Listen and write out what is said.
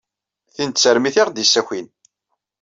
Tin d tarmit ay aɣ-d-yessakin.